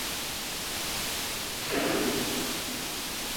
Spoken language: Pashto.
مونږ باید د اجتماعي واقعیتونو سره د باور کولو لپاره چمتو سو.